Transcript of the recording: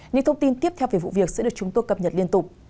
những thông tin tiếp theo về vụ việc sẽ được chúng tôi cập nhật liên tục